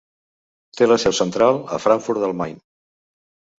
Té la seu central a Frankfurt del Main.